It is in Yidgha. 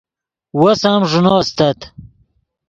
وس ام ݱینو استت